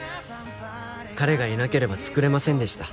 彼がいなければ作れませんでした。